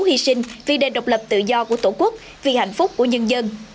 hy sinh vì đền độc lập tự do của tổ quốc vì hạnh phúc của nhân dân